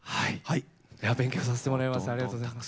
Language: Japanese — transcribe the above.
いや勉強させてもらいます。